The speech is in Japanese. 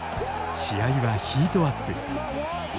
試合はヒートアップ。